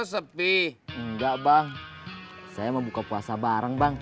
sepi enggak bang saya mau buka puasa bareng bang